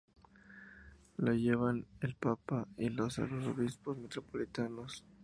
Lo llevan el papa y los arzobispos metropolitanos.